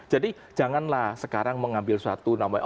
jadi janganlah sekarang mengambil suatu namanya